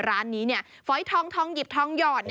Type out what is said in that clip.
ร้านนี้ฝอยทองหยิบทองหยอด